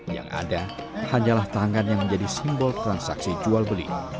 yang ada hanyalah tangan yang menjadi simbol transaksi jual beli